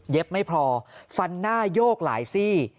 ไม่พอฟันหน้าโยกหลายซี่